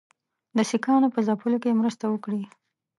د سیکهانو په ځپلو کې مرسته وکړي.